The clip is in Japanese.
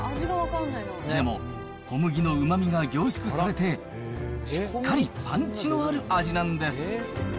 でも、小麦のうまみが凝縮されて、しっかりパンチのある味なんです。